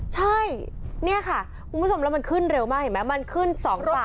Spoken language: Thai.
ใช่นี่ค่ะมันขึ้นเร็วมากเห็นไหมมันขึ้น๒บาท